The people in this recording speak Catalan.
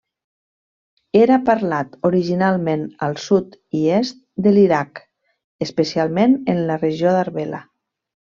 Era parlat originalment al sud i est de l'Iraq, especialment en la regió d'Arbela.